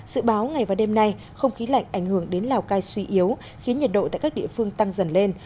sự báo ngày và đêm nay không khí lạnh ảnh hưởng đến lào cai suy yếu khiến nhiệt độ tại các địa phương tăng dần lên